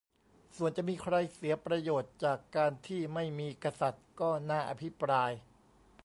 ส่วนจะมีใครเสียประโยชน์จากการที่ไม่มีกษัตริย์ ก็น่าอภิปราย